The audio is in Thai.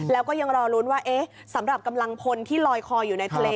แล้วก็ยังรอลุ้นว่าสำหรับกำลังพลที่ลอยคออยู่ในทะเล